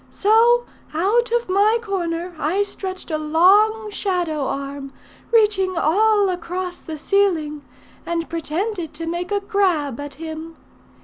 So out of my corner I stretched a long shadow arm, reaching all across the ceiling, and pretended to make a grab at him.